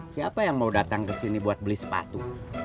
siapa yang mau datang kesini buat beli sepatu